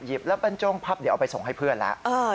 แล้วบรรจงพับเดี๋ยวเอาไปส่งให้เพื่อนแล้ว